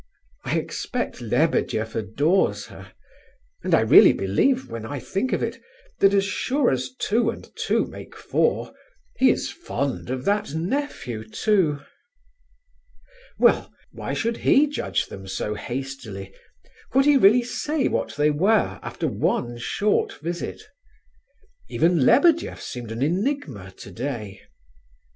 I expect Lebedeff adores her—and I really believe, when I think of it, that as sure as two and two make four, he is fond of that nephew, too!" Well, why should he judge them so hastily! Could he really say what they were, after one short visit? Even Lebedeff seemed an enigma today.